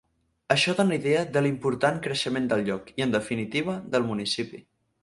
Això dóna idea de l'important creixement del lloc i, en definitiva, del municipi.